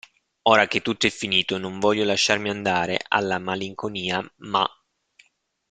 Ora che tutto è finito non voglio lasciarmi andare alla malinconia ma.